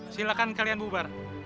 silahkan kalian bubar